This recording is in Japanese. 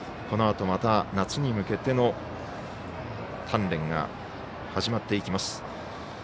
このあとまた夏に向けての鍛錬が始まっていきます。